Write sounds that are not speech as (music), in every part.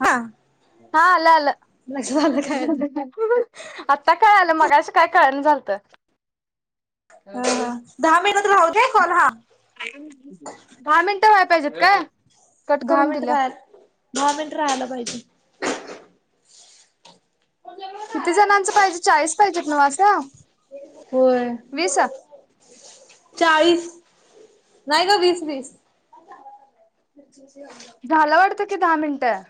हा. हा आलं आलं. लक्षात आलं काय आता आता कळालं मघाशी काय कळणं झालतं. अ हा दहा मिनटं राहुदे कॉल हा. दहा मिनटं व्हाय पायजेत काय? कट दहा करून मिनिटं दिल्या राहायला, दहा मिनिटं राहायला पायजे. किती जणांचं पायजे? चाळीस पायजेत नव्हं असं. होय, वीस चाळीस... नाही गं, वीस, वीस. अच्छे से आ जाओ झाला वाटतं, की दहा मिनिटं?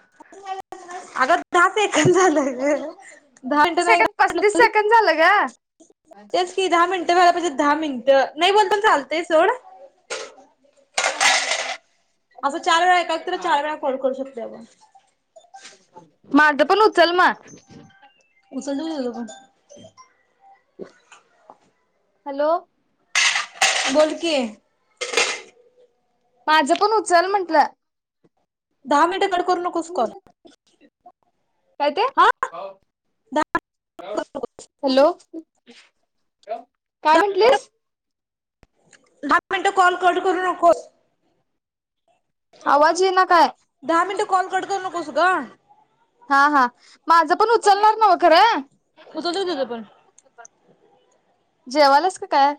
आगं, दहा सेकंद झालं गं. दहा मिनिटं नाही सेकंड पस्तीस झाले... सेकंड झालं ग तेच की, दहा मिनिटं व्हायला पाहिजे, दहा मिनिटं. नाही, बोलताना चालतंय, सोड. (unintelligible) असं, चार वेळा एकाला, तर चार वेळा कॉल करू शकतो आपण. माझं पण उचल म उचल देऊ त्याचा फोन. हॅलो. बोल की. माझं पण उचल म्हटलं. दहा मिनिटं कट करू नकोस कॉल. काय ते? हा दहा हॅलो? काय म्हटंलीस? दहा मिनटं कॉल कट करू नकोस. आवाज ईना काय? दहा मिनिटं कॉल कट करू नकोस गं हा... हा. माझं पण उचलणार नव्ह खरं? उचलतो तुझं पण जेवाल्यास का काय?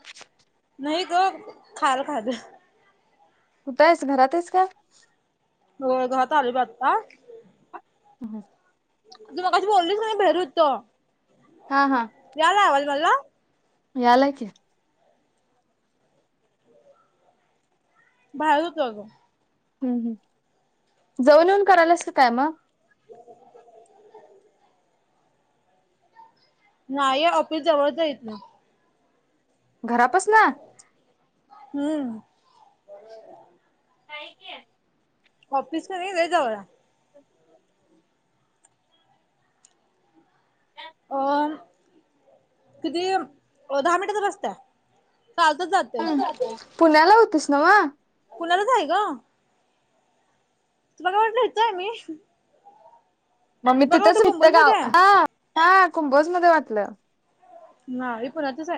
नाही गं खाल खाले कुठे आहेस? घरात आहेस का? होय घरात आलो बघ आत्ता (inaudible) तू मगाशी बोललीच नाही, बाहेर होतो. हा हा याला आवाज मला? यालाय की बाहेर होतो आ गं हं हं, जाऊन येऊन करायलीस की काय मग... (unintelligible) नाही ऑफीस जवळ आहे इथनं घरापासनं? हं काही की ऑफिस की लय जवळाय अं किती, दहा मिनिटांचा रस्ताय, चालतच जाते. (inaudible) पुण्याला होतीस ना व पुण्यालाच आहे गं तुला काय वाटलं? हितंय मी मग मी काय तिथंच वाटलं कुंभोज हितं मध्ये गाव आहे हा कुंभोजमध्ये वाटलं नाही, पुण्यातच आहे.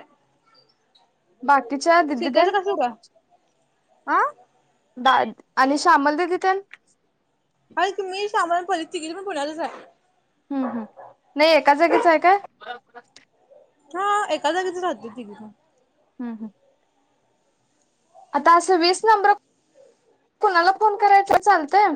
बाकीच्या दिदी सिद्ध्याचं तेन? कसं काय (unintelligible) आ दाय आणि श्यामल दीदी तर आहे की मी शामल परी तिघी पण पुण्यालाच आहे हम्म हम्म नाही एका जागीच आहे काय हा एका जागेच राहते तिघी हम्म हम्म. आता असे वीस नंबर कुणाला फोन करायचा चालतय